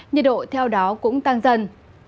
nhiệt độ theo đó cũng tăng dần